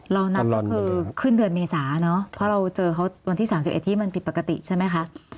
เรานับก็คือขึ้นเดือนเมษาเนอะเพราะเราเจอเขาวันที่๓๑ที่มันผิดปกติใช่ไหมคะ